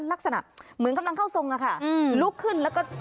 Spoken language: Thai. ลักษณะเหมือนกำลังเข้าทรงอะค่ะลุกขึ้นแล้วก็